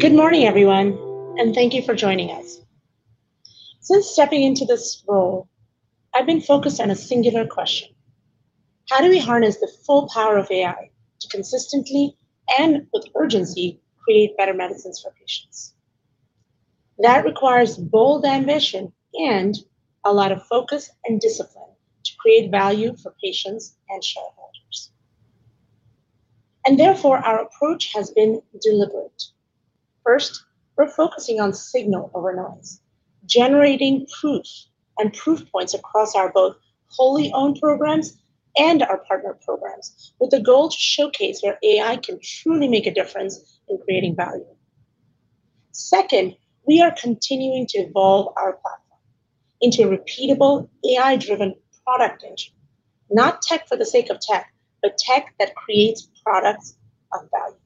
Good morning, everyone, and thank you for joining us. Since stepping into this role, I've been focused on a singular question. How do we harness the full power of AI to consistently and with urgency create better medicines for patients? That requires bold ambition and a lot of focus and discipline to create value for patients and shareholders. Therefore, our approach has been deliberate. First, we're focusing on signal over noise, generating proof and proof points across our both wholly owned programs and our partner programs with a goal to showcase where AI can truly make a difference in creating value. Second, we are continuing to evolve our platform into a repeatable AI-driven product engine. Not tech for the sake of tech, but tech that creates products of value.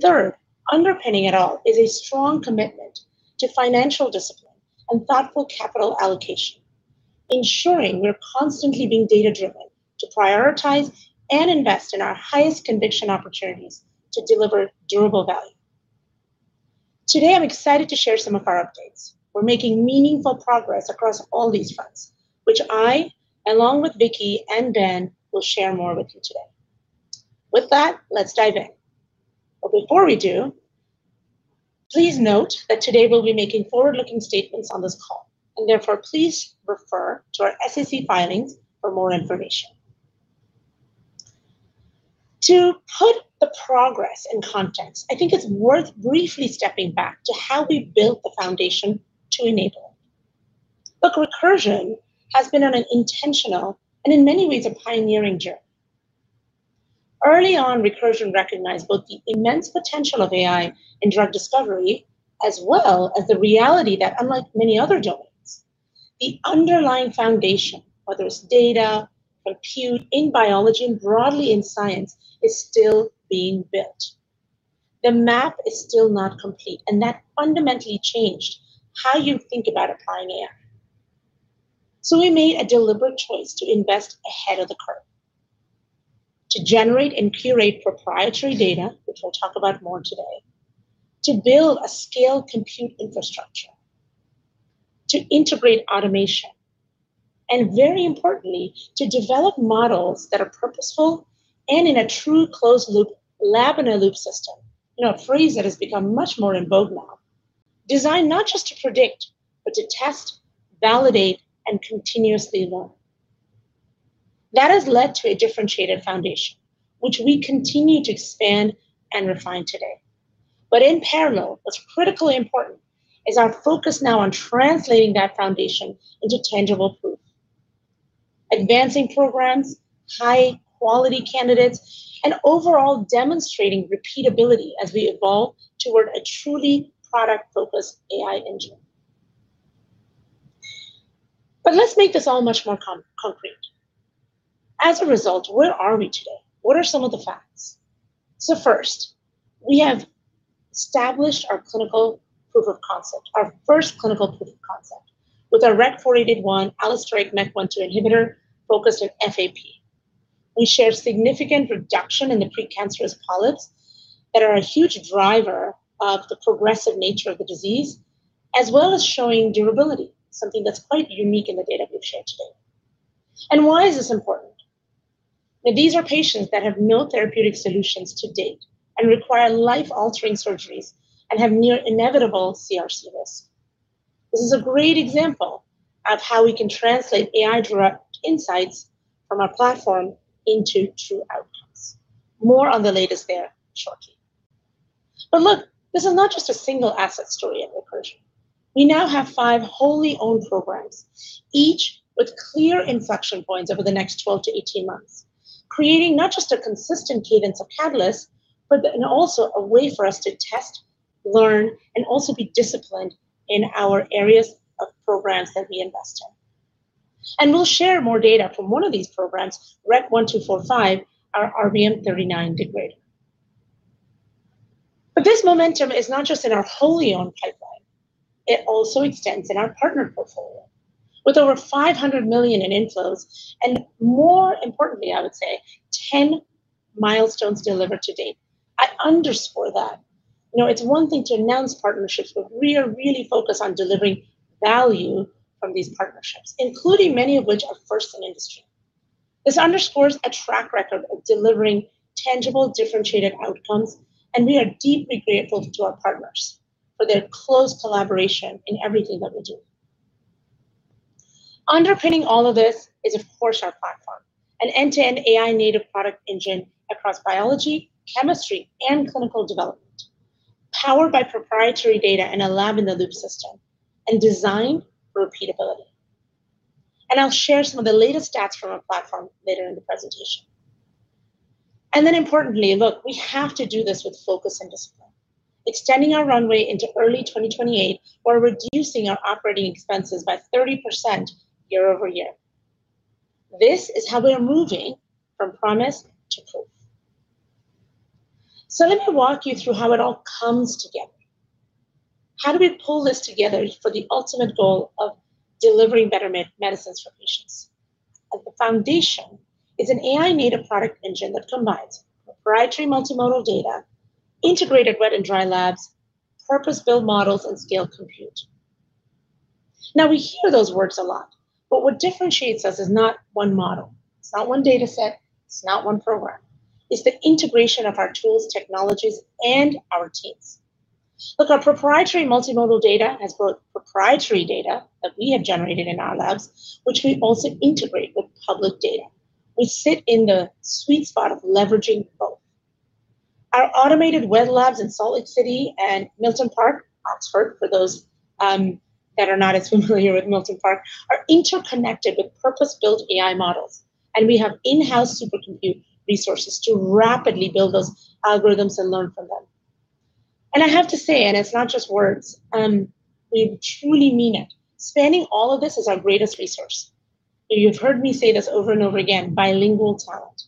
Third, underpinning it all is a strong commitment to financial discipline and thoughtful capital allocation, ensuring we're constantly being data-driven to prioritize and invest in our highest conviction opportunities to deliver durable value. Today, I'm excited to share some of our updates. We're making meaningful progress across all these fronts, which I, along with Vicki and Ben, will share more with you today. With that, let's dive in. Before we do, please note that today we'll be making forward-looking statements on this call, and therefore please refer to our SEC filings for more information. To put the progress in context, I think it's worth briefly stepping back to how we built the foundation to enable. Look, Recursion has been on an intentional and in many ways a pioneering journey. Early on, Recursion recognized both the immense potential of AI in drug discovery, as well as the reality that unlike many other domains, the underlying foundation, whether it's data, compute in biology, broadly in science, is still being built. That fundamentally changed how you think about applying AI. We made a deliberate choice to invest ahead of the curve, to generate and curate proprietary data, which we'll talk about more today, to build a scaled compute infrastructure, to integrate automation, and very importantly, to develop models that are purposeful and in a true closed loop lab-in-the-loop system, in a phrase that has become much more in vogue now, designed not just to predict, but to test, validate, and continuously learn. That has led to a differentiated foundation, which we continue to expand and refine today. In parallel, what's critically important is our focus now on translating that foundation into tangible proof. Advancing programs, high quality candidates, and overall demonstrating repeatability as we evolve toward a truly product-focused AI engine. Let's make this all much more concrete. As a result, where are we today? What are some of the facts? First, we have established our clinical proof of concept, our first clinical proof of concept, with our REC-4881 allosteric MEK 1/2 inhibitor focused on FAP. We share significant reduction in the precancerous polyps that are a huge driver of the progressive nature of the disease, as well as showing durability, something that's quite unique in the data we've shared today. Why is this important? That these are patients that have no therapeutic solutions to date and require life-altering surgeries and have near inevitable CR schedules. This is a great example of how we can translate AI-derived insights from our platform into true outcomes. More on the latest there shortly. Look, this is not just a single asset story at Recursion. We now have five wholly owned programs, each with clear inflection points over the next 12-18 months, creating not just a consistent cadence of catalysts, and also a way for us to test, learn, and also be disciplined in our areas of programs that we invest in. We'll share more data from one of these programs, REC-1245, our RBM39 degrader. This momentum is not just in our wholly owned pipeline. It also extends in our partner portfolio with over $500 million in inflows, and more importantly, I would say, 10 milestones delivered to date. I underscore that. You know, it's one thing to announce partnerships. We are really focused on delivering value from these partnerships, including many of which are first in industry. This underscores a track record of delivering tangible, differentiated outcomes. We are deeply grateful to our partners for their close collaboration in everything that we do. Underpinning all of this is, of course, our platform, an end-to-end AI native product engine across biology, chemistry, and clinical development, powered by proprietary data and a lab-in-the-loop system, designed for repeatability. I'll share some of the latest stats from our platform later in the presentation. Importantly, look, we have to do this with focus and discipline. Extending our runway into early 2028, while reducing our operating expenses by 30% year-over-year. This is how we are moving from promise to proof. Let me walk you through how it all comes together. How do we pull this together for the ultimate goal of delivering better medicines for patients? At the foundation is an AI native product engine that combines proprietary multimodal data, integrated wet and dry labs, purpose-built models, and scale compute. We hear those words a lot, but what differentiates us is not one model. It's not one dataset. It's not one program. It's the integration of our tools, technologies, and our teams. Look, our proprietary multimodal data has both proprietary data that we have generated in our labs, which we also integrate with public data. We sit in the sweet spot of leveraging both. Our automated wet labs in Salt Lake City and Milton Park, Oxford, for those that are not as familiar with Milton Park, are interconnected with purpose-built AI models. We have in-house supercompute resources to rapidly build those algorithms and learn from them. I have to say, and it's not just words, we truly mean it. Spanning all of this is our greatest resource. You've heard me say this over and over again, bilingual talent.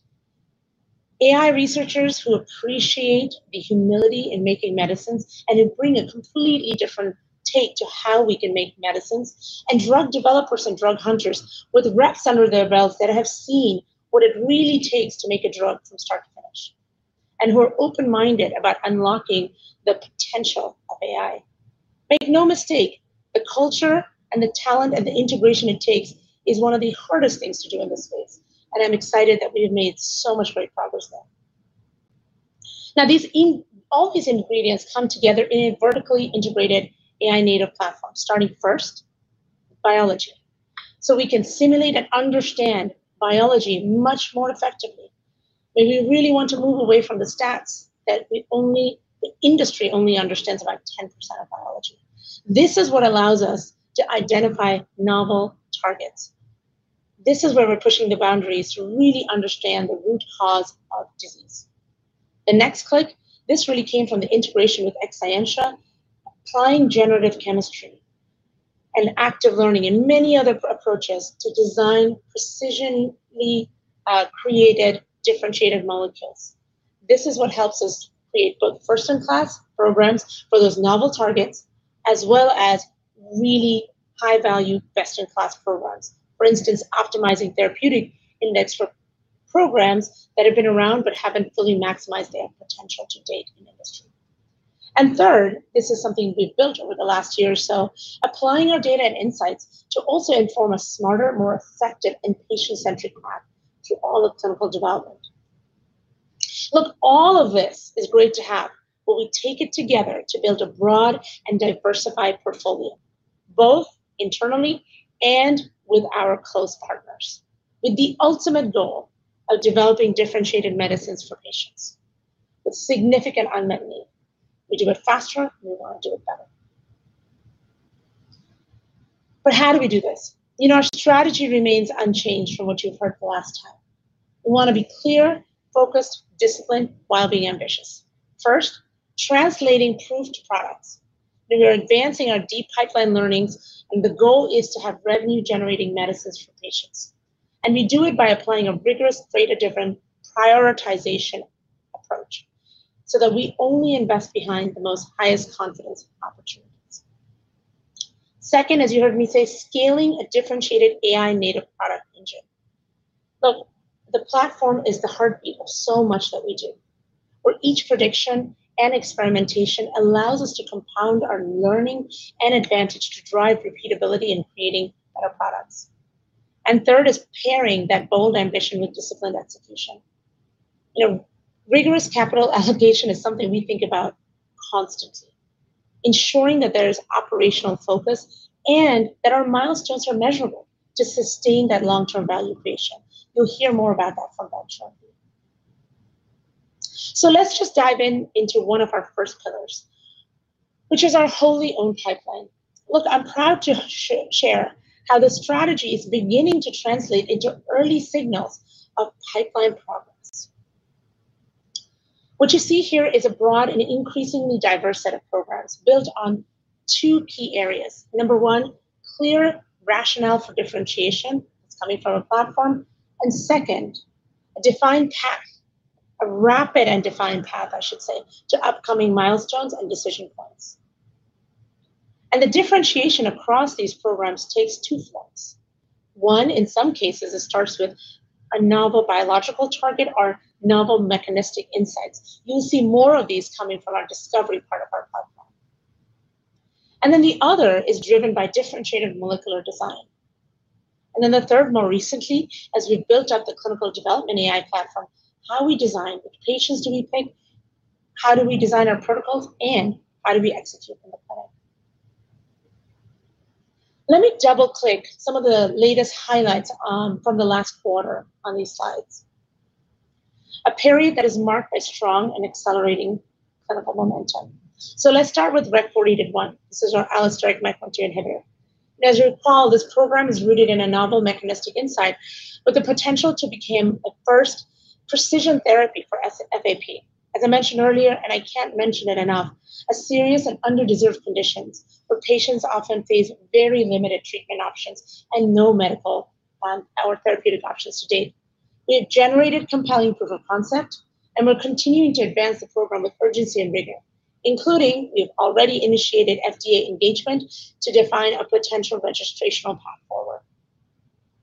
AI researchers who appreciate the humility in making medicines and who bring a completely different take to how we can make medicines, and drug developers and drug hunters with reps under their belts that have seen what it really takes to make a drug from start to finish, and who are open-minded about unlocking the potential of AI. Make no mistake, the culture and the talent and the integration it takes is one of the hardest things to do in this space, and I'm excited that we have made so much great progress there. All these ingredients come together in a vertically integrated AI-native platform, starting first, biology. We can simulate and understand biology much more effectively, but we really want to move away from the stats that the industry only understands about 10% of biology. This is what allows us to identify novel targets. This is where we're pushing the boundaries to really understand the root cause of disease. The next click, this really came from the integration with Exscientia, applying generative chemistry and active learning and many other approaches to design precisely created differentiated molecules. This is what helps us create both first-in-class programs for those novel targets, as well as really high-value best-in-class programs. For instance, optimizing therapeutic index for programs that have been around but haven't fully maximized their potential to date in industry. Third, this is something we've built over the last year or so, applying our data and insights to also inform a smarter, more effective, and patient centric path to all of clinical development. Look, all of this is great to have, but we take it together to build a broad and diversified portfolio, both internally and with our close partners, with the ultimate goal of developing differentiated medicines for patients with significant unmet need. We do it faster, we want to do it better. How do we do this? You know, our strategy remains unchanged from what you've heard the last time. We want to be clear, focused, disciplined while being ambitious. First, translating proved products. We are advancing our deep pipeline learnings, the goal is to have revenue generating medicines for patients. We do it by applying a rigorous play to different prioritization approach so that we only invest behind the highest confidence opportunities. Second, as you heard me say, scaling a differentiated AI-native product engine. Look, the platform is the heartbeat of so much that we do, where each prediction and experimentation allows us to compound our learning and advantage to drive repeatability in creating better products. Third is pairing that bold ambition with disciplined execution. You know, rigorous capital allocation is something we think about constantly, ensuring that there's operational focus and that our milestones are measurable to sustain that long-term value creation. You'll hear more about that from Ben Taylor. Let's just dive into one of our first pillars, which is our wholly owned pipeline. Look, I'm proud to share how the strategy is beginning to translate into early signals of pipeline progress. What you see here is a broad and increasingly diverse set of programs built on two key areas. Number one, clear rationale for differentiation that's coming from a platform. Second, a defined path, a rapid and defined path, I should say, to upcoming milestones and decision points. The differentiation across these programs takes two forms. One, in some cases, it starts with a novel biological target or novel mechanistic insights. You'll see more of these coming from our discovery part of our platform. The other is driven by differentiated molecular design. The third, more recently, as we built out the clinical development AI platform, how we design, which patients do we pick, how do we design our protocols, and how do we execute on the plan. Let me double click some of the latest highlights from the last quarter on these slides. A period that is marked by strong and accelerating clinical momentum. Let's start with REC-4881. This is our allosteric MEK protein inhibitor. As you recall, this program is rooted in a novel mechanistic insight with the potential to become a first precision therapy for FAP. As I mentioned earlier, I can't mention it enough, a serious and under-deserved conditions where patients often face very limited treatment options and no medical or therapeutic options to date. We have generated compelling proof of concept, we're continuing to advance the program with urgency and rigor, including we've already initiated FDA engagement to define a potential registrational path forward.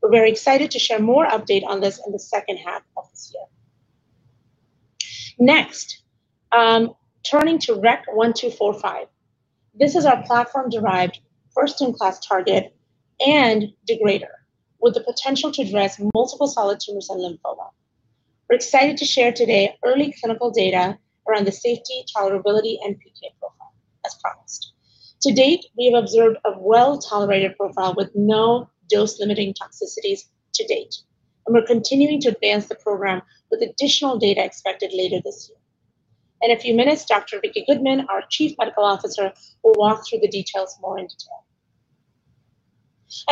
We're very excited to share more update on this in the second half of this year. Next, turning to REC-1245. This is our platform-derived first-in-class target and degrader with the potential to address multiple solid tumors and lymphoma. We're excited to share today early clinical data around the safety, tolerability, and PK profile as promised. To date, we have observed a well-tolerated profile with no dose-limiting toxicities to date, and we're continuing to advance the program with additional data expected later this year. In a few minutes, Dr. Vicki Goodman, our Chief Medical Officer, will walk through the details more in detail.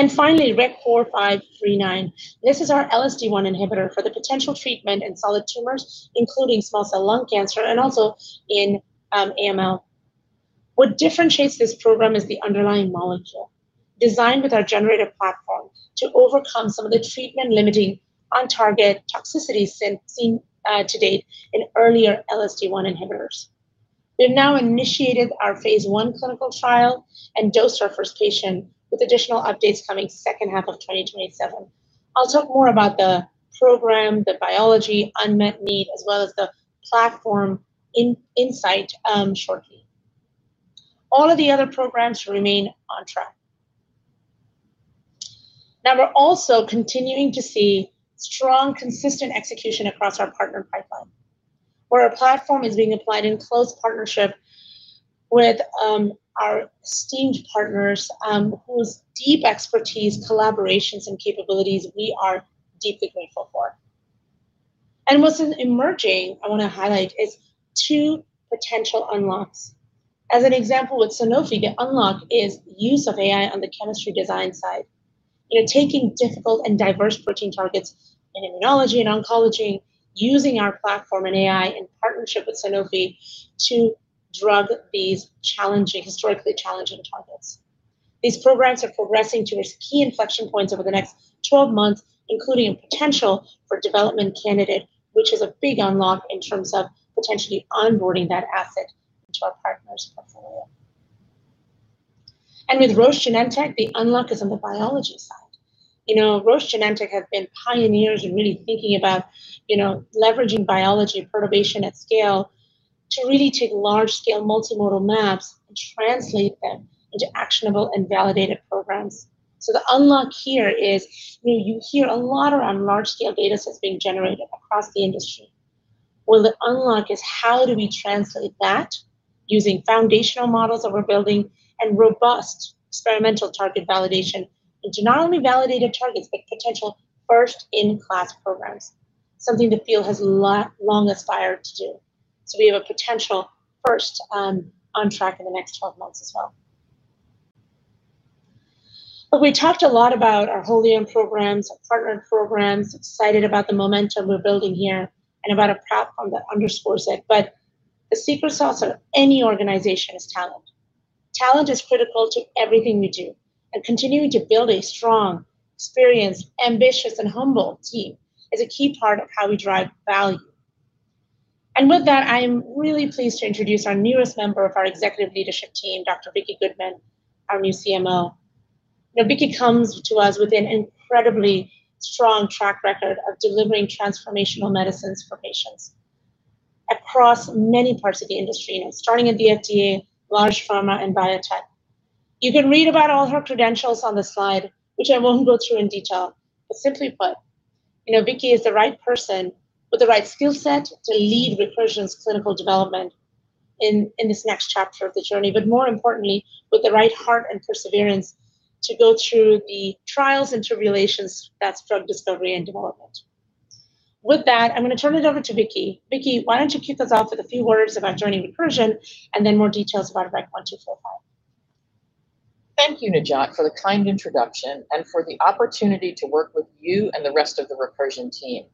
Finally, REC-4539. This is our LSD1 inhibitor for the potential treatment in solid tumors, including small-cell lung cancer and also in AML. What differentiates this program is the underlying molecule designed with our generative platform to overcome some of the treatment limiting on target toxicities seen to date in earlier LSD1 inhibitors. We've now initiated our phase I clinical trial and dosed our first patient with additional updates coming second half of 2027. I'll talk more about the program, the biology, unmet need, as well as the platform in-insight shortly. All of the other programs remain on track. Now, we're also continuing to see strong, consistent execution across our partner pipeline, where our platform is being applied in close partnership with our esteemed partners, whose deep expertise, collaborations and capabilities we are deeply grateful for. What's emerging, I want to highlight, is two potential unlocks. As an example with Sanofi, the unlock is use of AI on the chemistry design side, you know, taking difficult and diverse protein targets in immunology and oncology, using our platform and AI in partnership with Sanofi to drug these challenging historically challenging targets. These programs are progressing towards key inflection points over the next 12 months, including a potential for development candidate, which is a big unlock in terms of potentially onboarding that asset into our partner's portfolio. With Roche Genentech, the unlock is on the biology side. You know, Roche Genentech have been pioneers in really thinking about, you know, leveraging biology perturbation at scale to really take large-scale multimodal maps and translate them into actionable and validated programs. The unlock here is, you know, you hear a lot around large-scale data sets being generated across the industry. Well, the unlock is how do we translate that using foundation models that we're building and robust experimental target validation into not only validated targets, but potential first-in-class programs, something the field has long aspired to do. We have a potential first on track in the next 12 months as well. We talked a lot about our whole genome programs, our partnered programs, excited about the momentum we're building here and about a platform that underscores it. The secret sauce of any organization is talent. Talent is critical to everything we do, and continuing to build a strong, experienced, ambitious and humble team is a key part of how we drive value. With that, I am really pleased to introduce our newest member of our executive leadership team, Dr. Vicki Goodman, our new CMO. You know, Vicki comes to us with an incredibly strong track record of delivering transformational medicines for patients across many parts of the industry, you know, starting at the FDA, large pharma and biotech. You can read about all her credentials on the slide, which I won't go through in detail. Simply put, you know, Vicki is the right person with the right skill set to lead Recursion's clinical development in this next chapter of the journey, but more importantly, with the right heart and perseverance to go through the trials and tribulations that's drug discovery and development. With that, I'm going to turn it over to Vicki. Vicki, why don't you kick us off with a few words about joining Recursion and then more details about REC-1245. Thank you, Najat, for the kind introduction and for the opportunity to work with you and the rest of the Recursion team.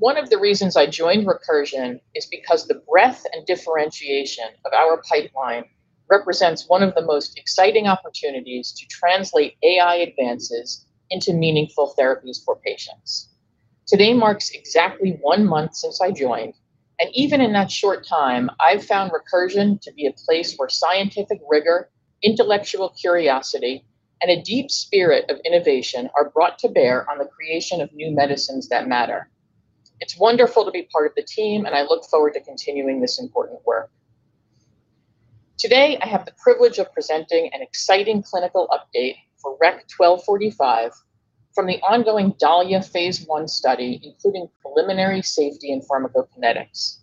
One of the reasons I joined Recursion is because the breadth and differentiation of our pipeline represents one of the most exciting opportunities to translate AI advances into meaningful therapies for patients. Today marks exactly one month since I joined, even in that short time, I've found Recursion to be a place where scientific rigor, intellectual curiosity, and a deep spirit of innovation are brought to bear on the creation of new medicines that matter. It's wonderful to be part of the team, I look forward to continuing this important work. Today, I have the privilege of presenting an exciting clinical update for REC-1245 from the ongoing DAHLIA phase I study, including preliminary safety and pharmacokinetics.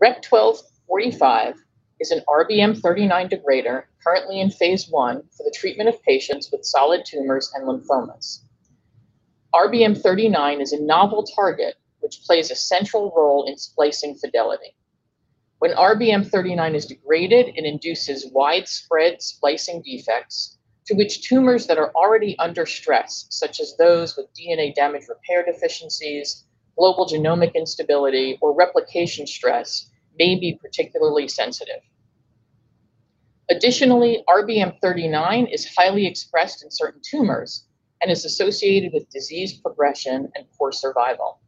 REC-1245 is an RBM39 degrader currently in phase I for the treatment of patients with solid tumors and lymphomas. RBM39 is a novel target which plays a central role in splicing fidelity. When RBM39 is degraded, it induces widespread splicing defects to which tumors that are already under stress, such as those with DNA damage repair deficiencies, global genomic instability, or replication stress may be particularly sensitive. Additionally, RBM39 is highly expressed in certain tumors and is associated with disease progression and poor survival.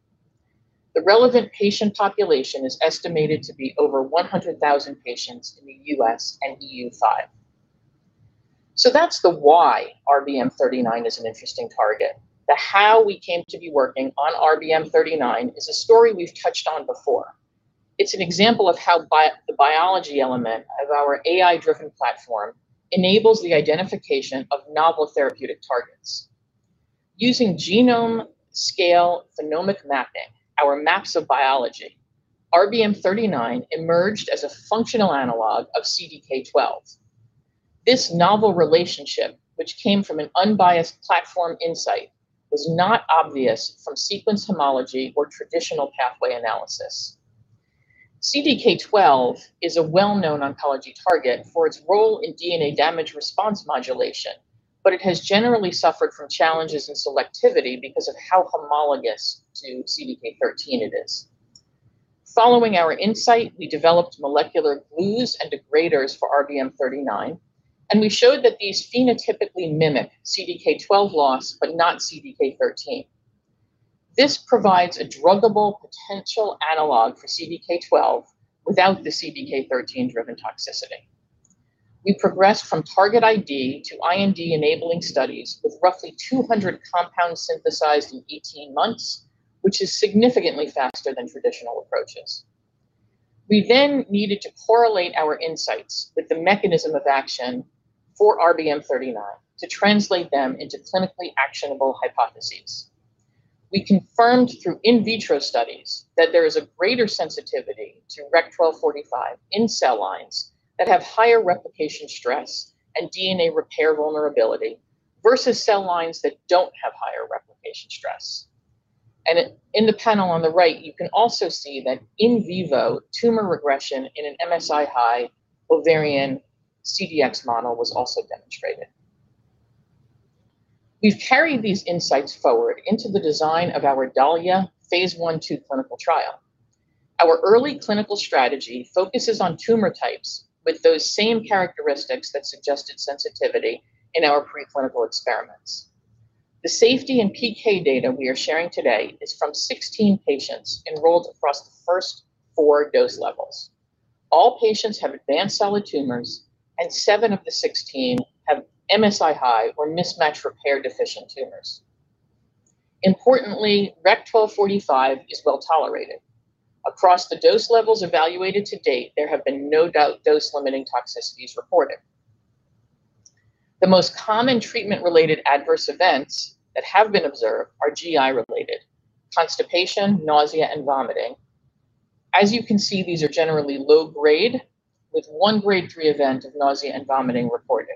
The relevant patient population is estimated to be over 100,000 patients in the U.S. and EU5. That's the why RBM39 is an interesting target. The how we came to be working on RBM39 is a story we've touched on before. It's an example of how the biology element of our AI-driven platform enables the identification of novel therapeutic targets. Using genome-scale phenomic mapping, our maps of biology, RBM39 emerged as a functional analog of CDK12. This novel relationship, which came from an unbiased platform insight, was not obvious from sequence homology or traditional pathway analysis. CDK12 is a well-known oncology target for its role in DNA damage response modulation, but it has generally suffered from challenges in selectivity because of how homologous to CDK13 it is. Following our insight, we developed molecular glues and degraders for RBM39, and we showed that these phenotypically mimic CDK12 loss but not CDK13. This provides a druggable potential analog for CDK12 without the CDK13-driven toxicity. We progressed from target ID to IND-enabling studies with roughly 200 compounds synthesized in 18 months, which is significantly faster than traditional approaches. We needed to correlate our insights with the mechanism of action for RBM39 to translate them into clinically actionable hypotheses. We confirmed through in vitro studies that there is a greater sensitivity to REC-1245 in cell lines that have higher replication stress and DNA repair vulnerability versus cell lines that don't have higher replication stress. In the panel on the right, you can also see that in vivo tumor regression in an MSI-high ovarian CDX model was also demonstrated. We've carried these insights forward into the design of our DAHLIA phase I/II clinical trial. Our early clinical strategy focuses on tumor types with those same characteristics that suggested sensitivity in our preclinical experiments. The safety and PK data we are sharing today is from 16 patients enrolled across the first four dose levels. All patients have advanced solid tumors, and seven of the 16 have MSI-high or mismatch repair-deficient tumors. Importantly, REC-1245 is well-tolerated. Across the dose levels evaluated to date, there have been no dose-limiting toxicities reported. The most common treatment-related adverse events that have been observed are GI-related: constipation, nausea, and vomiting. As you can see, these are generally low-grade, with one grade three event of nausea and vomiting reported.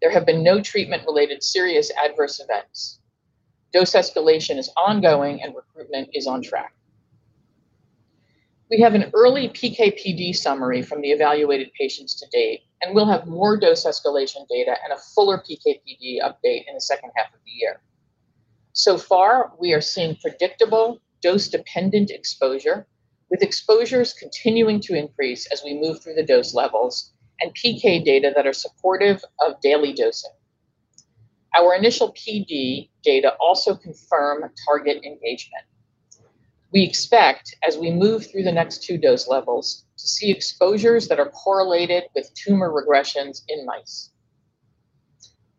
There have been no treatment-related serious adverse events. Dose escalation is ongoing, and recruitment is on track. We have an early PK/PD summary from the evaluated patients to date, and we'll have more dose escalation data and a fuller PK/PD update in the second half of the year. So far, we are seeing predictable dose-dependent exposure, with exposures continuing to increase as we move through the dose levels and PK data that are supportive of daily dosing. Our initial PD data also confirm target engagement. We expect, as we move through the next two dose levels, to see exposures that are correlated with tumor regressions in mice.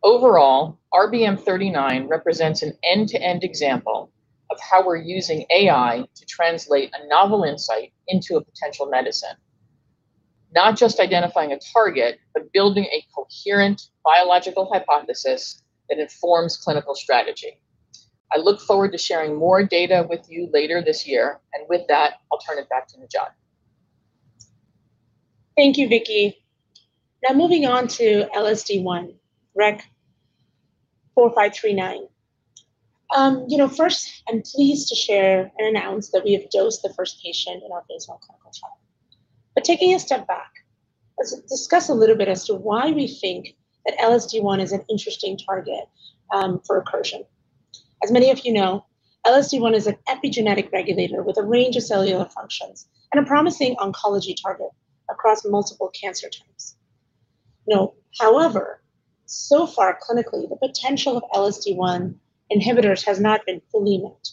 Overall, RBM39 represents an end-to-end example of how we're using AI to translate a novel insight into a potential medicine, not just identifying a target, but building a coherent biological hypothesis that informs clinical strategy. I look forward to sharing more data with you later this year. With that, I'll turn it back to Najat. Thank you, Vicki. Moving on to LSD1, REC-4539. You know, first, I'm pleased to share and announce that we have dosed the first patient in our Phase I clinical trial. Taking a step back, let's discuss a little bit as to why we think that LSD1 is an interesting target for Recursion. As many of you know, LSD1 is an epigenetic regulator with a range of cellular functions and a promising oncology target across multiple cancer types. You know, however, so far clinically, the potential of LSD1 inhibitors has not been fully met.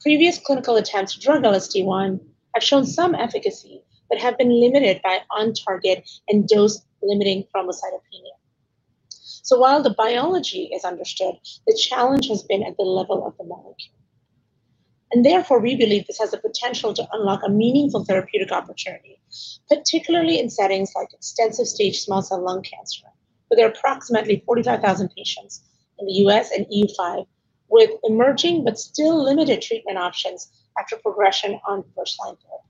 Previous clinical attempts to drug LSD1 have shown some efficacy but have been limited by on-target and dose-limiting thrombocytopenia. While the biology is understood, the challenge has been at the level of the molecule. Therefore, we believe this has the potential to unlock a meaningful therapeutic opportunity, particularly in settings like extensive stage small cell lung cancer, where there are approximately 45,000 patients in the U.S. and EU5 with emerging but still limited treatment options after progression on first-line therapy.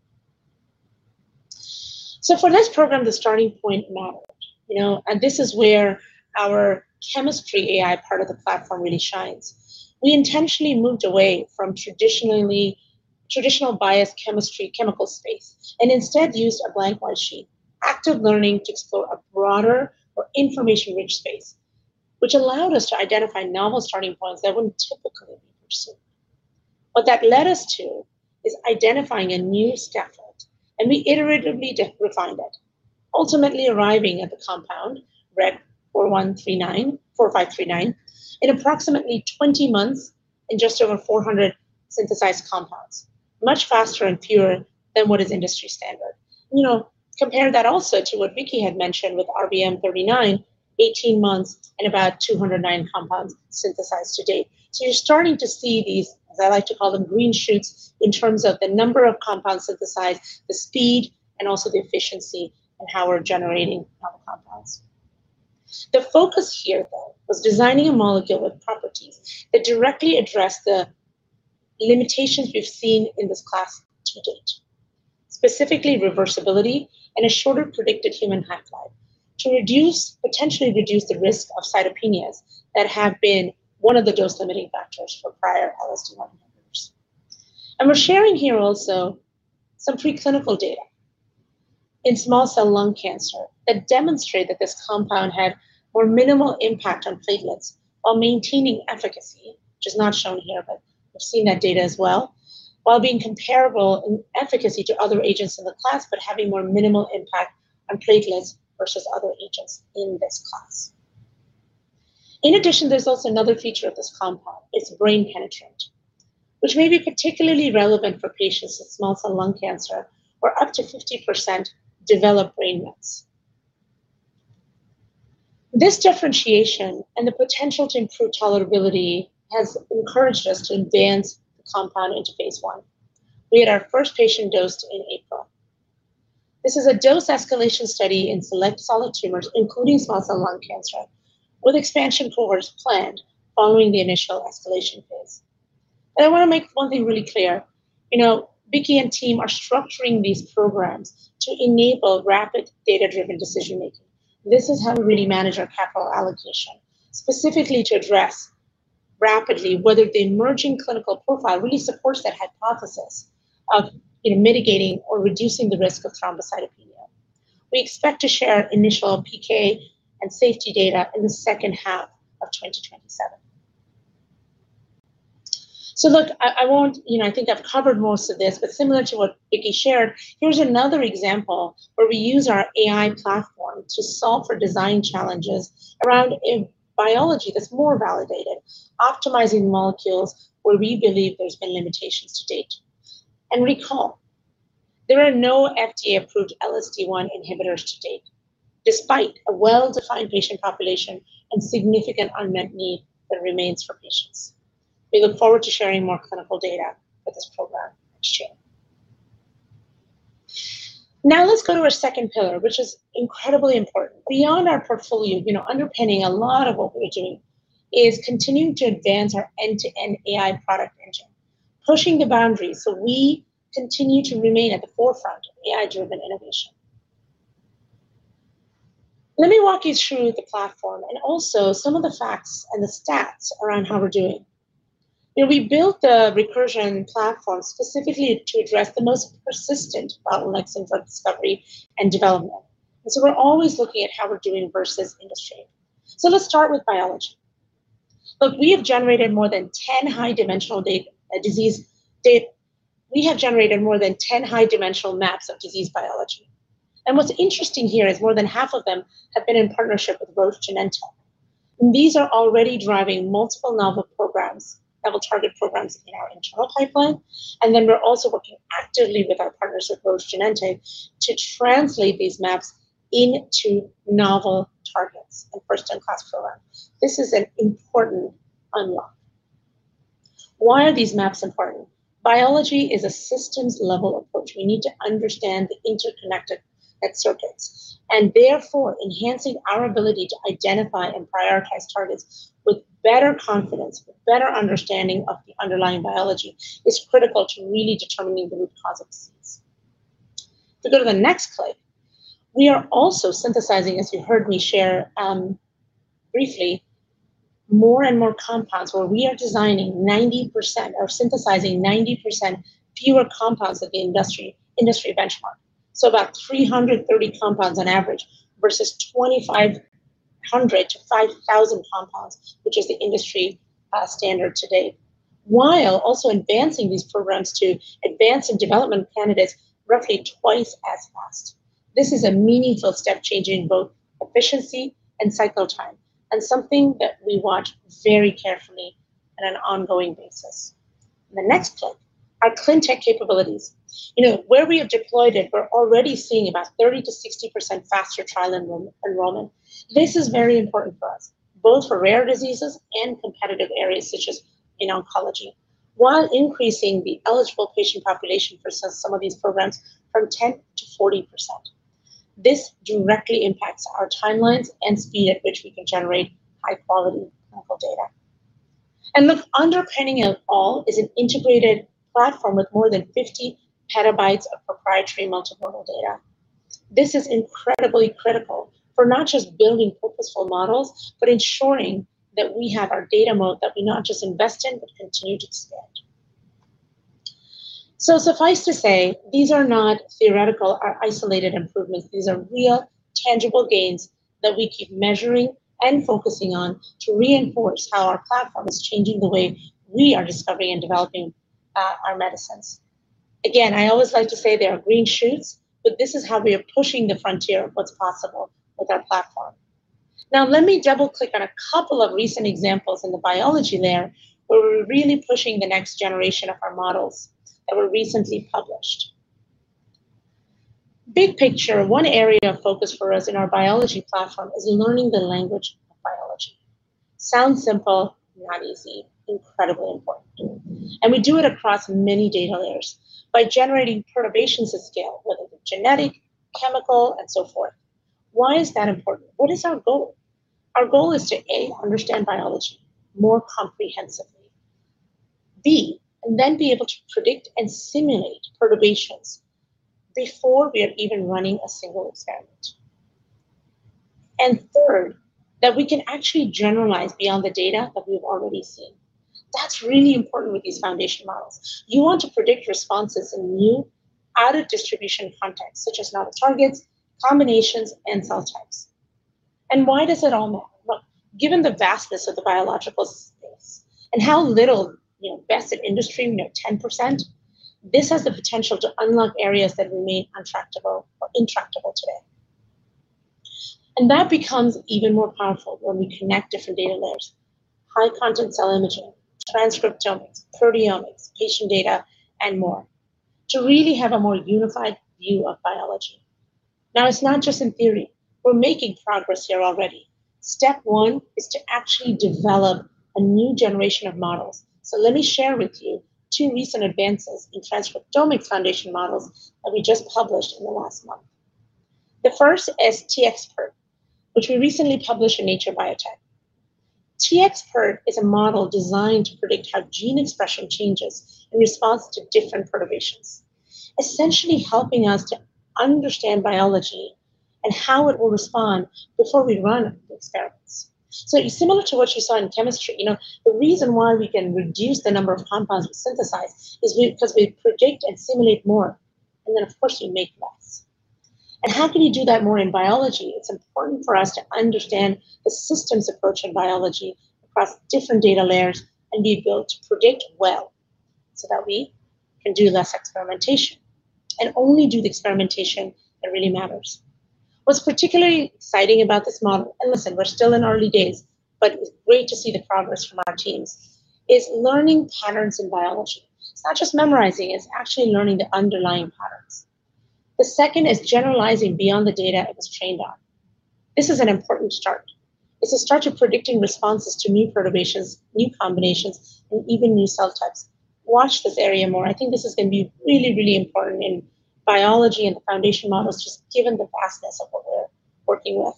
For this program, the starting point mattered, you know, and this is where our chemistry AI part of the platform really shines. We intentionally moved away from traditional bias chemistry chemical space and instead used a blank white sheet, active learning to explore a broader, information-rich space, which allowed us to identify novel starting points that wouldn't typically be pursued. What that led us to is identifying a new scaffold, and we iteratively refined it, ultimately arriving at the compound REC-4539 in approximately 20 months in just over 400 synthesized compounds, much faster and fewer than what is industry standard. You know, compare that also to what Vicki had mentioned with RBM39, 18 months and about 209 compounds synthesized to date. You're starting to see these, as I like to call them, green shoots in terms of the number of compounds synthesized, the speed, and also the efficiency in how we're generating novel compounds. The focus here, though, was designing a molecule with properties that directly address the limitations we've seen in this class to date, specifically reversibility and a shorter predicted human half-life to potentially reduce the risk of cytopenias that have been one of the dose-limiting factors for prior LSD1 inhibitors. We're sharing here also some preclinical data in small cell lung cancer that demonstrate that this compound had more minimal impact on platelets while maintaining efficacy, which is not shown here, but we've seen that data as well, while being comparable in efficacy to other agents in the class, but having more minimal impact on platelets versus other agents in this class. In addition, there's also another feature of this compound. It's brain penetrant, which may be particularly relevant for patients with small cell lung cancer, where up to 50% develop brain mets. This differentiation and the potential to improve tolerability has encouraged us to advance the compound into phase I. We had our first patient dosed in April. This is a dose escalation study in select solid tumors, including small cell lung cancer, with expansion cohorts planned following the initial escalation phase. I want to make one thing really clear. You know, Vicki and team are structuring these programs to enable rapid data-driven decision-making. This is how we really manage our capital allocation, specifically to address rapidly whether the emerging clinical profile really supports that hypothesis of, you know, mitigating or reducing the risk of thrombocytopenia. We expect to share initial PK and safety data in the second half of 2027. Look, I won't you know, I think I've covered most of this, but similar to what Vicki shared, here's another example where we use our AI platform to solve for design challenges around a biology that's more validated, optimizing molecules where we believe there's been limitations to date. Recall, there are no FDA-approved LSD1 inhibitors to date, despite a well-defined patient population and significant unmet need that remains for patients. We look forward to sharing more clinical data for this program next year. Let's go to our second pillar, which is incredibly important. Beyond our portfolio, you know, underpinning a lot of what we are doing is continuing to advance our end-to-end AI product engine, pushing the boundaries so we continue to remain at the forefront of AI-driven innovation. Let me walk you through the platform and also some of the facts and the stats around how we're doing. You know, we built the Recursion platform specifically to address the most persistent problem we've seen for discovery and development. We're always looking at how we're doing versus industry. Let's start with biology. Look, we have generated more than 10 high-dimensional maps of disease biology. What's interesting here is more than half of them have been in partnership with Roche Genentech. These are already driving multiple novel programs, novel target programs in our internal pipeline, we're also working actively with our partners at Roche Genentech to translate these maps into novel targets and first-in-class programs. This is an important unlock. Why are these maps important? Biology is a systems-level approach. We need to understand the interconnected circuits, and therefore, enhancing our ability to identify and prioritize targets with better confidence, with better understanding of the underlying biology is critical to really determining the root causes. If we go to the next clip, we are also synthesizing, as you heard me share, briefly, more and more compounds where we are designing 90% or synthesizing 90% fewer compounds of the industry benchmark. About 330 compounds on average versus 2,500-5,000 compounds, which is the industry standard to date, while also advancing these programs to advance in development candidates roughly two times as fast. This is a meaningful step change in both efficiency and cycle time, and something that we watch very carefully on an ongoing basis. The next clip, our ClinTech capabilities. You know, where we have deployed it, we're already seeing about 30%-60% faster trial enrollment. This is very important for us, both for rare diseases and competitive areas such as in oncology, while increasing the eligible patient population for some of these programs from 10%-40%. This directly impacts our timelines and speed at which we can generate high-quality clinical data. Look, underpinning it all is an integrated platform with more than 50 petabytes of proprietary multi-modal data. This is incredibly critical for not just building purposeful models, but ensuring that we have our data moat that we not just invest in, but continue to expand. Suffice to say, these are not theoretical or isolated improvements. These are real, tangible gains that we keep measuring and focusing on to reinforce how our platform is changing the way we are discovering and developing our medicines. I always like to say they are green shoots, this is how we are pushing the frontier of what's possible with our platform. Let me double-click on a couple of recent examples in the biology layer where we're really pushing the next generation of our models that were recently published. Big picture, one area of focus for us in our biology platform is learning the language of biology. Sounds simple, not easy, incredibly important. We do it across many data layers by generating perturbations at scale, whether they're genetic, chemical, and so forth. Why is that important? What is our goal? Our goal is to, A, understand biology more comprehensively, B, then be able to predict and simulate perturbations before we are even running a single experiment. Third, that we can actually generalize beyond the data that we've already seen. That's really important with these foundation models. You want to predict responses in new out-of-distribution contexts, such as novel targets, combinations, and cell types. Why does it all matter? Well, given the vastness of the biological space and how little, you know, best in industry, you know, 10%, this has the potential to unlock areas that remain untractable or intractable today. That becomes even more powerful when we connect different data layers, high-content cell imaging, transcriptomics, proteomics, patient data, and more to really have a more unified view of biology. Now, it's not just in theory. We're making progress here already. Step one is to actually develop a new generation of models. Let me share with you two recent advances in transcriptomics foundation models that we just published in the last month. The 1st is TxPert, which we recently published in Nature Biotech. TxPert is a model designed to predict how gene expression changes in response to different perturbations, essentially helping us to understand biology and how it will respond before we run the experiments. Similar to what you saw in chemistry, you know, the reason why we can reduce the number of compounds we synthesize is because we predict and simulate more, and then, of course, we make less. How can you do that more in biology? It's important for us to understand the systems approach in biology across different data layers and be able to predict well so that we can do less experimentation and only do the experimentation that really matters. What's particularly exciting about this model, and listen, we're still in early days, but it's great to see the progress from our teams, is learning patterns in biology. It's not just memorizing, it's actually learning the underlying patterns. The second is generalizing beyond the data it was trained on. This is an important start. It's a start to predicting responses to new perturbations, new combinations, and even new cell types. Watch this area more. I think this is going to be really, really important in biology and the foundation models, just given the vastness of what we're working with.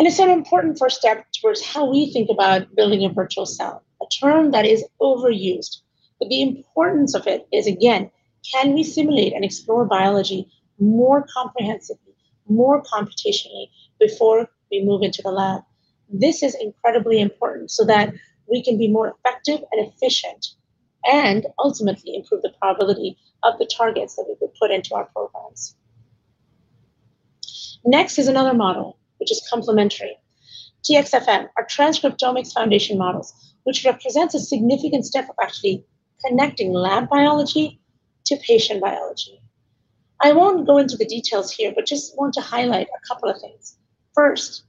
It's an important first step towards how we think about building a virtual cell, a term that is overused. The importance of it is, again, can we simulate and explore biology more comprehensively, more computationally before we move into the lab? This is incredibly important so that we can be more effective and efficient and ultimately improve the probability of the targets that we could put into our programs. Next is another model which is complementary. TxFM, our transcriptomics foundation models, which represents a significant step of actually connecting lab biology to patient biology. I won't go into the details here, but just want to highlight a couple of things. First,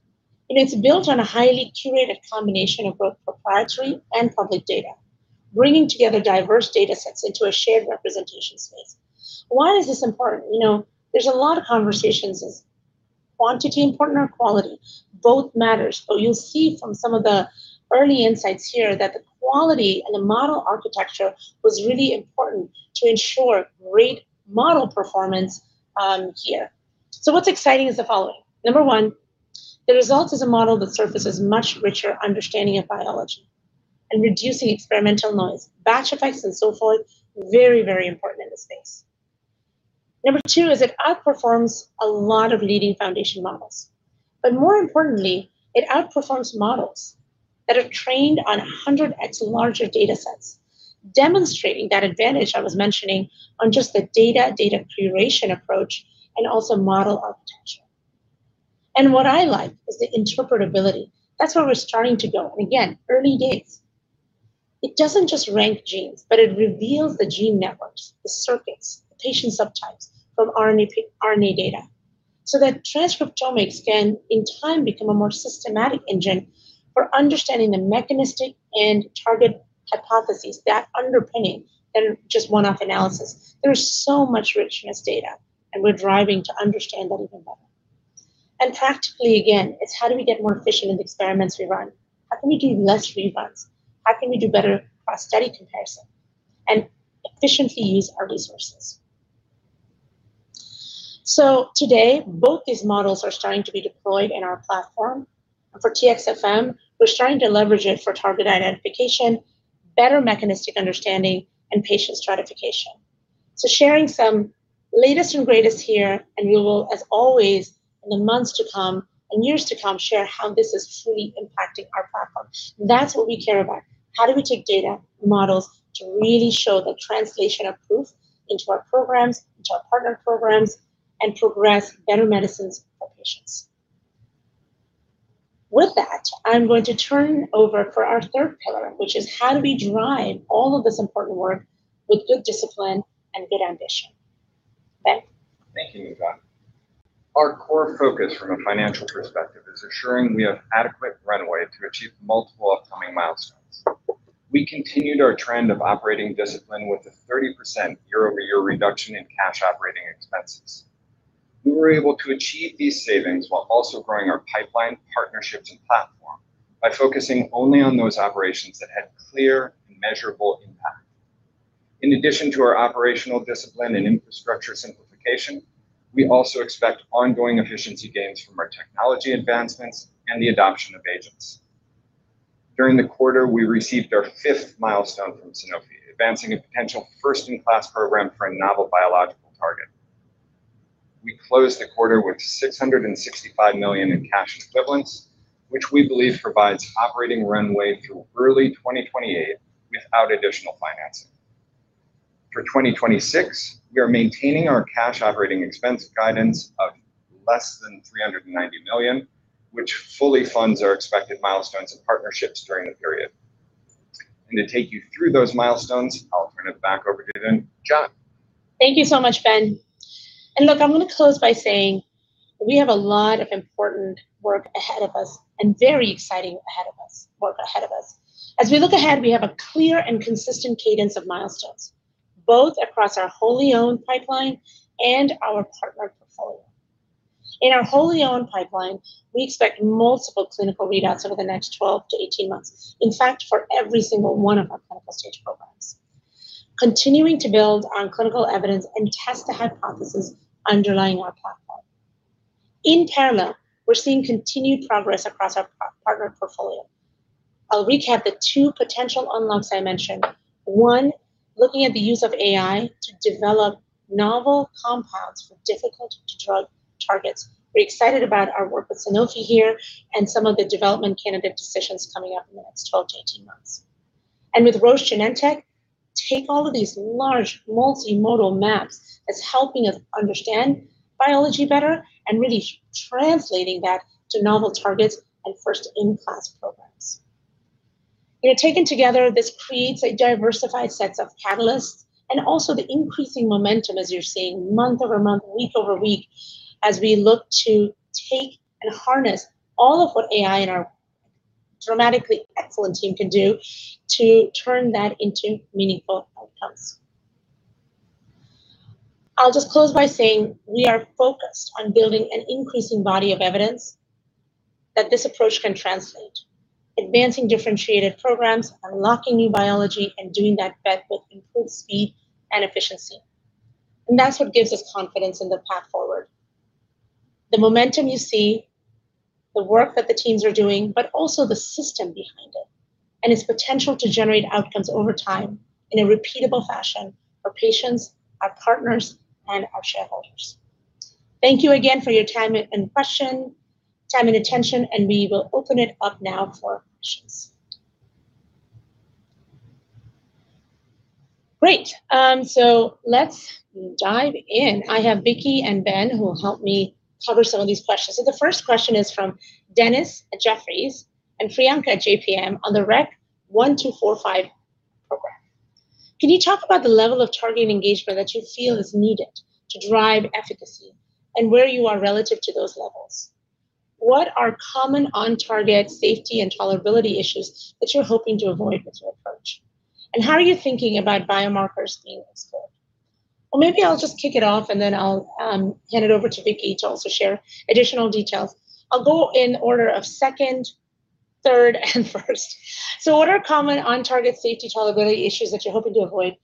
it is built on a highly curated combination of both proprietary and public data, bringing together diverse datasets into a shared representation space. Why is this important? You know, there's a lot of conversations. You'll see from some of the early insights here that the quality and the model architecture was really important to ensure great model performance here. What's exciting is the following. Number one, the result is a model that surfaces much richer understanding of biology and reducing experimental noise, batch effects, and so forth. Very, very important in this space. Number two is it outperforms a lot of leading foundation models. More importantly, it outperforms models that are trained on 100x larger datasets, demonstrating that advantage I was mentioning on just the data-data curation approach and also model architecture. What I like is the interpretability. That's where we're starting to go. Again, early days. It doesn't just rank genes, but it reveals the gene networks, the circuits, the patient subtypes from RNA data, so that transcriptomics can, in time, become a more systematic engine for understanding the mechanistic and target hypotheses that underpinning than just one-off analysis. There's so much richness data, and we're driving to understand that even better. Practically, again, it's how do we get more efficient with experiments we run? How can we do less re-runs? How can we do better cross-study comparison and efficiently use our resources? Today, both these models are starting to be deployed in our platform. For TxFM, we're starting to leverage it for target identification, better mechanistic understanding, and patient stratification. Sharing some latest and greatest here, and we will, as always, in the months to come and years to come, share how this is truly impacting our platform. That's what we care about. How do we take data models to really show the translation of proof into our programs, into our partner programs, and progress better medicines for patients? With that, I'm going to turn over for our third pillar, which is how do we drive all of this important work with good discipline and good ambition. Ben? Thank you, Najat. Our core focus from a financial perspective is assuring we have adequate runway to achieve multiple upcoming milestones. We continued our trend of operating discipline with a 30% year-over-year reduction in cash operating expenses. We were able to achieve these savings while also growing our pipeline, partnerships, and platform by focusing only on those operations that had clear and measurable impact. In addition to our operational discipline and infrastructure simplification, we also expect ongoing efficiency gains from our technology advancements and the adoption of agents. During the quarter, we received our fifth milestone from Sanofi, advancing a potential first-in-class program for a novel biological target. We closed the quarter with $665 million in cash equivalents, which we believe provides operating runway through early 2028 without additional financing. For 2026, we are maintaining our cash OpEx guidance of less than $390 million, which fully funds our expected milestones and partnerships during the period. To take you through those milestones, I'll turn it back over to Najat. Thank you so much, Ben. Look, I'm going to close by saying we have a lot of important work ahead of us and very exciting work ahead of us. As we look ahead, we have a clear and consistent cadence of milestones, both across our wholly owned pipeline and our partner portfolio. In our wholly owned pipeline, we expect multiple clinical readouts over the next 12-18 months for every single one of our clinical stage programs, continuing to build on clinical evidence and test the hypothesis underlying our platform. We're seeing continued progress across our partner portfolio. I'll recap the two potential unlocks I mentioned. One, looking at the use of AI to develop novel compounds for difficult to drug targets. We're excited about our work with Sanofi here and some of the development candidate decisions coming up in the next 12-18 months. With Roche Genentech, take all of these large multimodal maps that's helping us understand biology better and really translating that to novel targets and first-in-class programs. You know, taken together, this creates a diversified sets of catalysts and also the increasing momentum, as you're seeing month-over-month, week-over-week, as we look to take and harness all of what AI and our dramatically excellent team can do to turn that into meaningful outcomes. I'll just close by saying we are focused on building an increasing body of evidence that this approach can translate, advancing differentiated programs, unlocking new biology, and doing that bet with improved speed and efficiency. That's what gives us confidence in the path forward. The momentum you see, the work that the teams are doing, but also the system behind it, and its potential to generate outcomes over time in a repeatable fashion for patients, our partners, and our shareholders. Thank you again for your time and attention. We will open it up now for questions. Great. Let's dive in. I have Vicki and Ben who will help me cover some of these questions. The first question is from Dennis at Jefferies and Priyanka at JPM on the REC-1245 program. Can you talk about the level of target engagement that you feel is needed to drive efficacy and where you are relative to those levels? What are common on-target safety and tolerability issues that you're hoping to avoid with your approach? How are you thinking about biomarkers being explored? Well, maybe I'll just kick it off, and then I'll hand it over to Vicki to also share additional details. I'll go in order of second, third, and first. What are common on-target safety tolerability issues that you're hoping to avoid?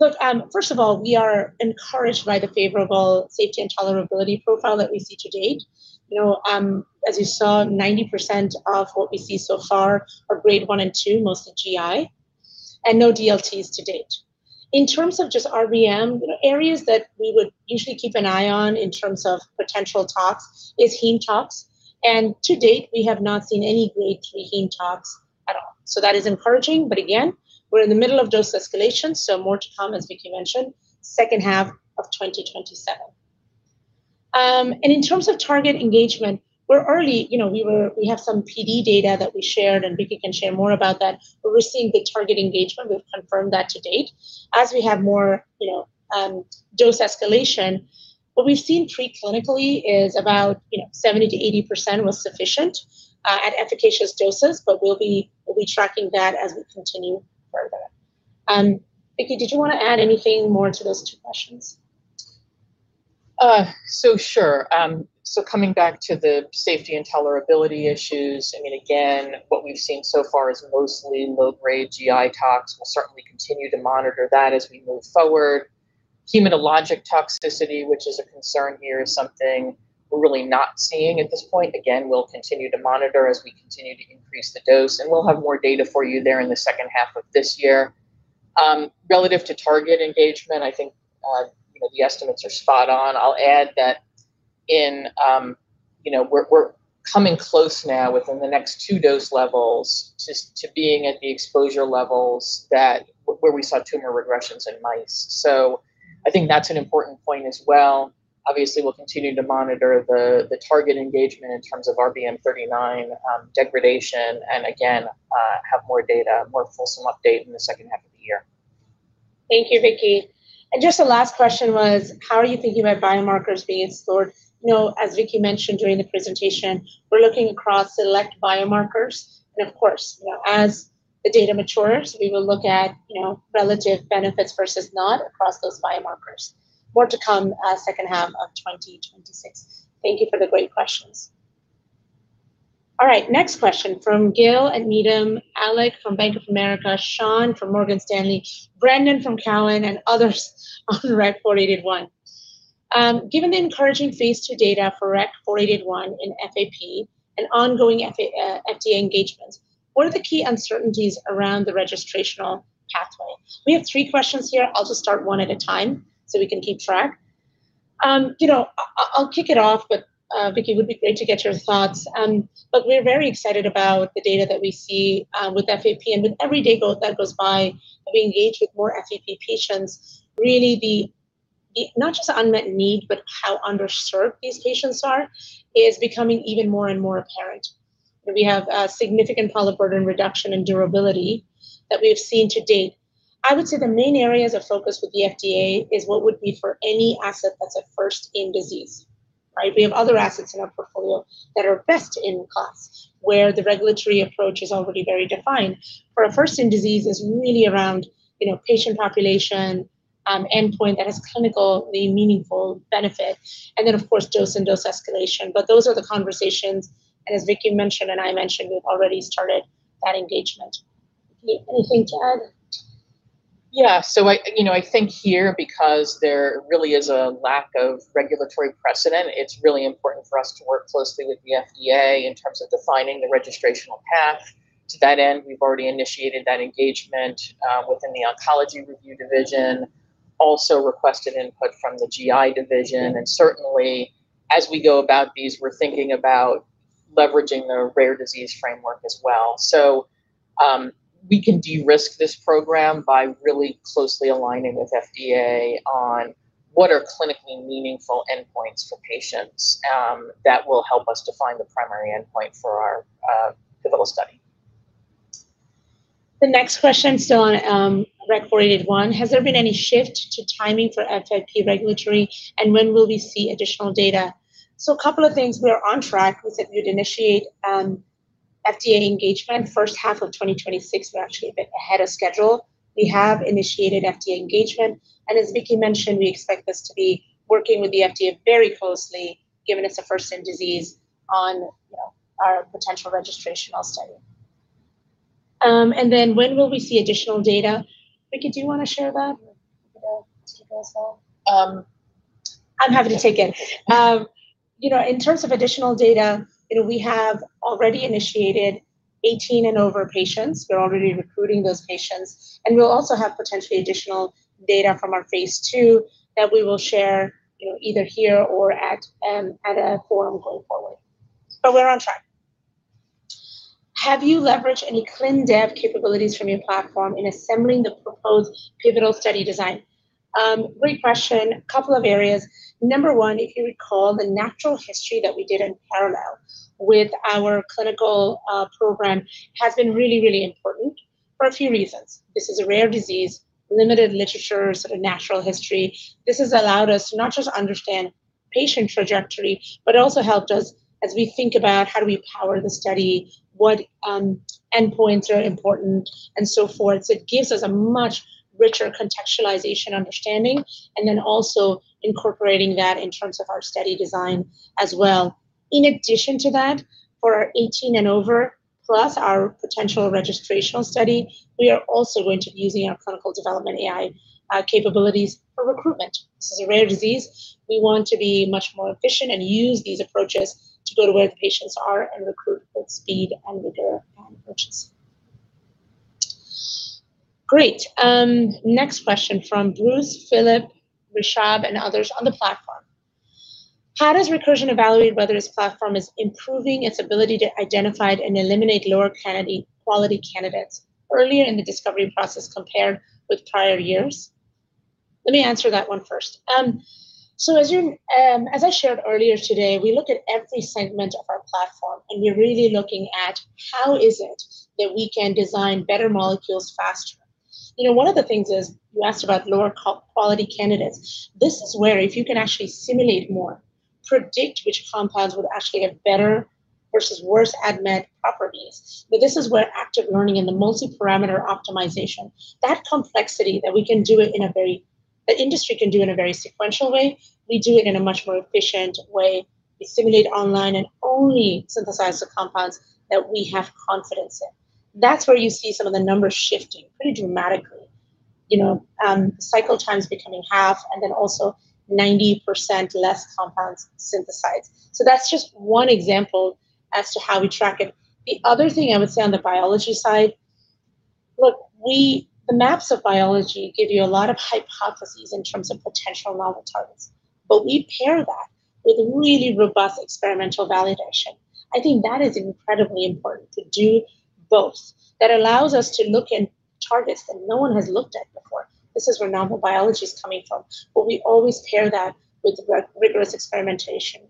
Look, first of all, we are encouraged by the favorable safety and tolerability profile that we see to date. You know, as you saw, 90% of what we see so far are grade 1 and 2, mostly GI, and no DLTs to date. In terms of just RBM, you know, areas that we would usually keep an eye on in terms of potential tox is heme tox. To date, we have not seen any grade 3 heme tox at all. That is encouraging. Again, we're in the middle of dose escalation, so more to come, as Vicki mentioned, second half of 2027. In terms of target engagement, we're early. You know, we have some PD data that we shared, and Vicki can share more about that, but we're seeing good target engagement. We've confirmed that to date. As we have more, you know, dose escalation, what we've seen pre-clinically is about, you know, 70%-80% was sufficient at efficacious doses, but we'll be tracking that as we continue further. Vicki, did you want to add anything more to those two questions? Sure. Coming back to the safety and tolerability issues, I mean, again, what we've seen so far is mostly low-grade GI tox. We'll certainly continue to monitor that as we move forward. Hematotoxicity, which is a concern here. We're really not seeing at this point. Again, we'll continue to monitor as we continue to increase the dose, and we'll have more data for you there in the second half of this year. Relative to target engagement, I think our, you know, the estimates are spot on. I'll add that in. We're coming close now within the next two dose levels to being at the exposure levels where we saw tumor regressions in mice. I think that's an important point as well. Obviously, we'll continue to monitor the target engagement in terms of RBM39 degradation, and again, have more data, a more fulsome update in the second half of the year. Just the last question was, how are you thinking about biomarkers being stored? You know, as Vicki mentioned during the presentation, we're looking across select biomarkers, and of course, you know, as the data matures, we will look at, you know, relative benefits versus not across those biomarkers. More to come, second half of 2026. Thank you for the great questions. All right, next question from Gil at Needham, Alex from Bank of America, Sean from Morgan Stanley, Brendan from Cowen, and others on REC-4881. Given the encouraging phase II data for REC-4881 in FAP and ongoing FDA engagement, what are the key uncertainties around the registrational pathway? We have three questions here. I'll just start one at a time so we can keep track. you know, I'll kick it off, but Vicki, it would be great to get your thoughts. We're very excited about the data that we see with FAP, and with every day that goes by, we engage with more FAP patients, really the not just unmet need, but how underserved these patients are, is becoming even more and more apparent, where we have a significant polyp burden reduction and durability that we have seen to date. I would say the main areas of focus with the FDA is what would be for any asset that's a first-in disease, right? We have other assets in our portfolio that are best in class, where the regulatory approach is already very defined. For a first-in disease, it's really around, you know, patient population, endpoint that has clinically meaningful benefit, and then, of course, dose and dose escalation. Those are the conversations, and as Vicki mentioned, and I mentioned, we've already started that engagement. Vicki, anything to add? Yeah. I, you know, I think here, because there really is a lack of regulatory precedent, it's really important for us to work closely with the FDA in terms of defining the registrational path. To that end, we've already initiated that engagement within the oncology review division, also requested input from the GI division, and certainly as we go about these, we're thinking about leveraging the rare disease framework as well. We can de-risk this program by really closely aligning with FDA on what are clinically meaningful endpoints for patients, that will help us define the primary endpoint for our pivotal study. The next question, still on REC-4881. Has there been any shift to timing for FAP regulatory, and when will we see additional data? A couple of things. We're on track with that we'd initiate FDA engagement first half of 2026. We're actually a bit ahead of schedule. We have initiated FDA engagement, and as Vicki mentioned, we expect us to be working with the FDA very closely, given it's a first-in disease on, you know, our potential registrational study. Then when will we see additional data? Vicki, do you want to share that? Or take this one? Um- I'm happy to take it. You know, in terms of additional data, you know, we have already initiated 18 and over patients. We're already recruiting those patients, we'll also have potentially additional data from our phase II that we will share, you know, either here or at a forum going forward. We're on track. Have you leveraged any clin dev capabilities from your platform in assembling the proposed pivotal study design? Great question. Couple of areas. Number one, if you recall, the natural history that we did in parallel with our clinical program has been really important for a few reasons. This is a rare disease, limited literature, sort of natural history. This has allowed us to not just understand patient trajectory, but also helped us as we think about how do we power the study, what endpoints are important, and so forth. It gives us a much richer contextualization understanding, and then also incorporating that in terms of our study design as well. In addition to that, for our 18 and over, plus our potential registrational study, we are also going to be using our clinical development AI capabilities for recruitment. This is a rare disease. We want to be much more efficient and use these approaches to go to where the patients are and recruit with speed and with their approaches. Great. Next question from Bruce, Philip, Rishab, and others on the platform. How does Recursion evaluate whether its platform is improving its ability to identify and eliminate lower candidate, quality candidates earlier in the discovery process compared with prior years? Let me answer that one first. As you, as I shared earlier today, we look at every segment of our platform, and we're really looking at how is it that we can design better molecules faster. You know, one of the things is, you asked about lower quality candidates. This is where if you can actually simulate more, predict which compounds would actually have better versus worse ADMET properties, but this is where active learning and the multi-parameter optimization, that complexity that we can do it in a very the industry can do in a very sequential way, we do it in a much more efficient way. We simulate online and only synthesize the compounds that we have confidence in. That's where you see some of the numbers shifting pretty dramatically. You know, cycle times becoming half and then also 90% less compounds synthesized. That's just one example as to how we track it. The other thing I would say on the biology side, look, the maps of biology give you a lot of hypotheses in terms of potential novel targets, but we pair that with really robust experimental validation. I think that is incredibly important to do both. That allows us to look in targets that no one has looked at before. This is where novel biology is coming from, but we always pair that with rigorous experimentation.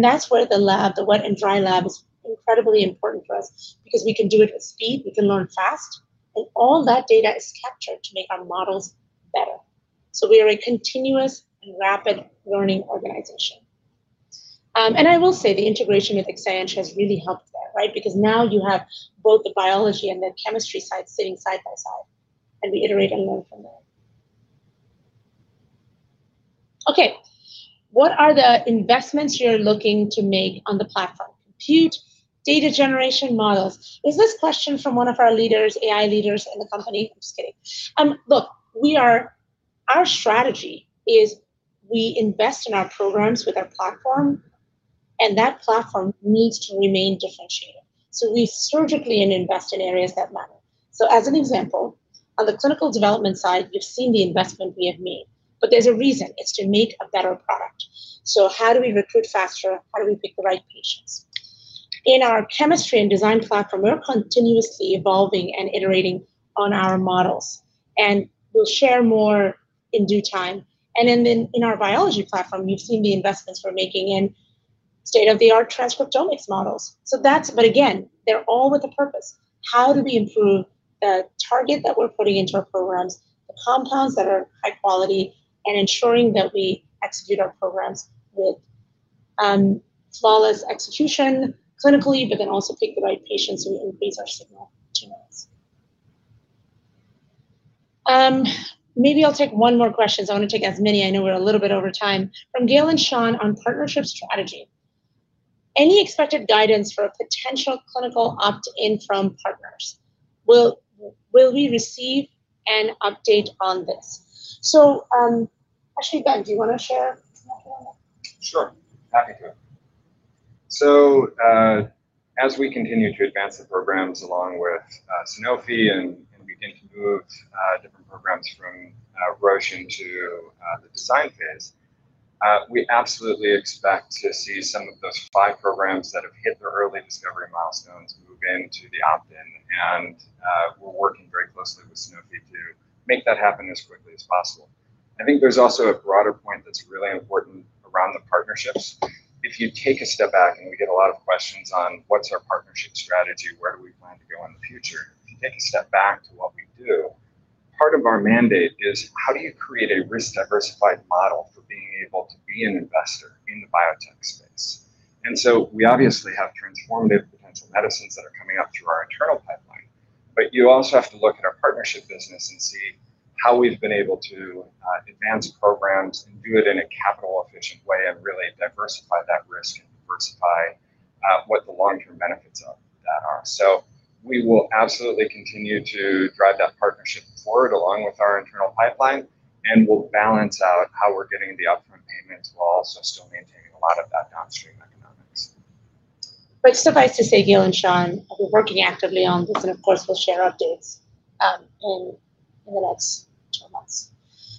That's where the lab, the wet and dry lab, is incredibly important for us because we can do it with speed, we can learn fast, and all that data is captured to make our models better. We are a continuous and rapid learning organization. I will say the integration with Exscientia has really helped that, right. Now you have both the biology and the chemistry side sitting side by side, and we iterate and learn from there. Okay. What are the investments you're looking to make on the platform? Compute, data generation models. Is this question from one of our leaders, AI leaders in the company? I'm just kidding. Look, our strategy is we invest in our programs with our platform, and that platform needs to remain differentiated. We surgically and invest in areas that matter. As an example, on the clinical development side, you've seen the investment we have made, but there's a reason. It's to make a better product. How do we recruit faster? How do we pick the right patients? In our chemistry and design platform, we're continuously evolving and iterating on our models, and we'll share more in due time. Then in our biology platform, you've seen the investments we're making in state-of-the-art transcriptomics models. That's. Again, they're all with a purpose. How do we improve the target that we're putting into our programs, the compounds that are high quality, and ensuring that we execute our programs with flawless execution clinically, but then also pick the right patients so we increase our signal to noise? Maybe I'll take one more question, because I want to take as many. I know we're a little bit over time. From Gil and Sean on partnership strategy. Any expected guidance for a potential clinical opt-in from partners? Will we receive an update on this? Actually, Ben, do you wanna share on that one? Sure. Happy to. As we continue to advance the programs along with Sanofi and begin to move different programs from Roche into the design phase, we absolutely expect to see some of those five programs that have hit their early discovery milestones move into the opt-in, and we're working very closely with Sanofi to make that happen as quickly as possible. I think there's also a broader point that's really important around the partnerships. If you take a step back, we get a lot of questions on what's our partnership strategy, where do we plan to go in the future. If you take a step back to what we do, part of our mandate is how do you create a risk-diversified model for being able to be an investor in the biotech space? We obviously have transformative potential medicines that are coming up through our internal pipeline, but you also have to look at our partnership business and see how we've been able to advance programs and do it in a capital-efficient way and really diversify that risk and diversify what the long-term benefits of that are. We will absolutely continue to drive that partnership forward along with our internal pipeline, and we'll balance out how we're getting the upfront payments while also still maintaining a lot of that downstream economics. Suffice to say, Gail and Sean, we're working actively on this, and of course, we'll share updates in the next 12 months.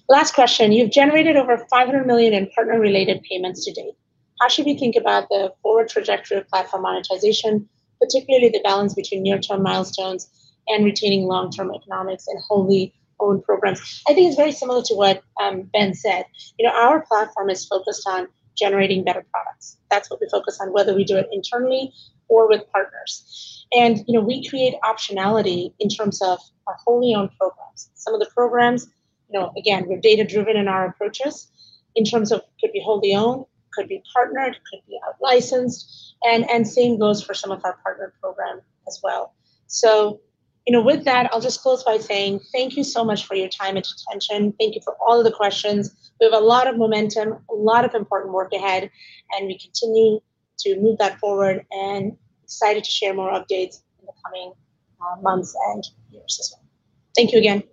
Last question. You've generated over $500 million in partner-related payments to date. How should we think about the forward trajectory of platform monetization, particularly the balance between near-term milestones and retaining long-term economics and wholly-owned programs? I think it's very similar to what Ben said. You know, our platform is focused on generating better products. That's what we focus on, whether we do it internally or with partners. You know, we create optionality in terms of our wholly-owned programs. Some of the programs, you know, again, we're data-driven in our approaches in terms of could be wholly owned, could be partnered, could be out-licensed, and same goes for some of our partnered program as well. You know, with that, I'll just close by saying thank you so much for your time and attention. Thank you for all of the questions. We have a lot of momentum, a lot of important work ahead, and we continue to move that forward and excited to share more updates in the coming months and years as well. Thank you again.